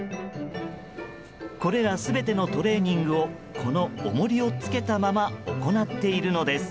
これら、全てのトレーニングをこの重りをつけたまま行っているのです。